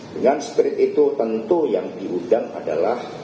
dengan street itu tentu yang diundang adalah